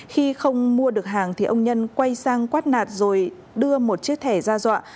khi không mua được hàng ông nhân quay sang quát nạt rồi đưa một chiếc thẻ ra dọa